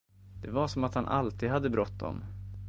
Det var som att han alltid hade bråttom.